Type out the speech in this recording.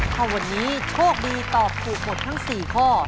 ถ้าวันนี้โชคดีตอบถูกหมดทั้ง๔ข้อ